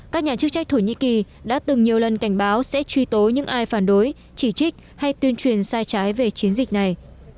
các nhà chức trách thổ nhĩ kỳ đã từng nhiều lần cảnh báo sẽ truy tố những ai phản đối chỉ trích hay tuyên truyền sai trái về chiến dịch này